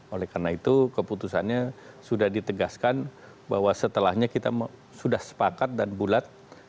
oleh karena itu keputusannya sudah ditegaskan bahwa setelahnya kita sudah sepakat dan bulat